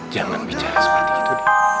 jangan bicara seperti itu